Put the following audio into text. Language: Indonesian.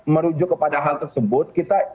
merujuk kepada hal tersebut kita